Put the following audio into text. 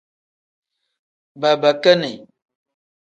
Babakini.